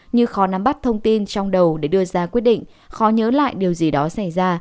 như khó nắm bắt thông tin trong đầu để đưa ra quyết định khó nhớ lại điều gì đó xảy ra